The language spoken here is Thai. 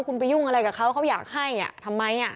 คุณไปยุ่งอะไรกับเขาเขาอยากให้ทำไม